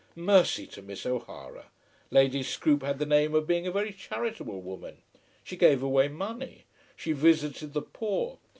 Mercy to Miss O'Hara! Lady Scroope had the name of being a very charitable woman. She gave away money. She visited the poor.